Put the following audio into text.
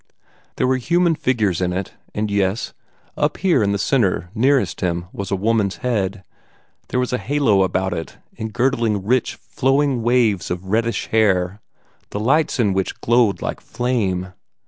There were human figures in it, and yes up here in the centre, nearest him, was a woman's head. There was a halo about it, engirdling rich, flowing waves of reddish hair, the lights in which glowed like flame.